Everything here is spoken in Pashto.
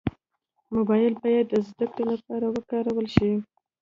موبایل باید د زدهکړې لپاره وکارول شي.